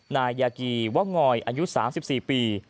นายกีวะงอยอายุ๓๔ปี